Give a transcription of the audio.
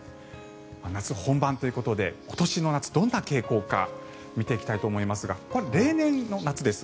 夏本番ということで今年の夏はどんな傾向か見ていきたいと思いますが例年の夏です。